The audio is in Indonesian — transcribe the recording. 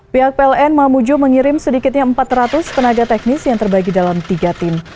pihak pln mamuju mengirim sedikitnya empat ratus tenaga teknis yang terbagi dalam tiga tim